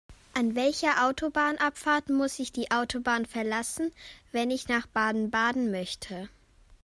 An welcher Autobahnabfahrt muss ich die Autobahn verlassen, wenn ich nach Baden-Baden möchte?